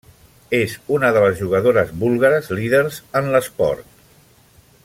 És una de les jugadores búlgares líders en l'esport.